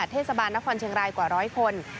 เทศบาลนครเชียงรายกว่าร้อยคน